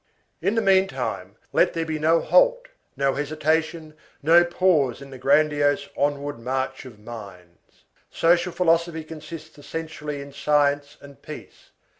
In the meantime, let there be no halt, no hesitation, no pause in the grandiose onward march of minds. Social philosophy consists essentially in science and peace.